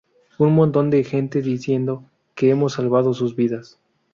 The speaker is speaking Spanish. Un montón de gente diciendo que hemos salvado sus vidas.